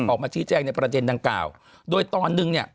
ออกมาชี้แจงในประเด็นดังกล่าวโดยตอนนึงเนี่ย